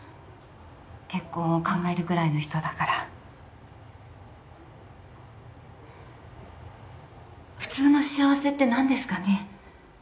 結婚を考えるぐらいの人だから普通の幸せって何ですかね？